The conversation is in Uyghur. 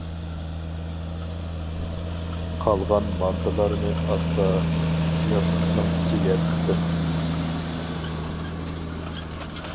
قالغان مانتىلارنى ئاستا ياستۇقنىڭ ئىچىگە تىقتىم.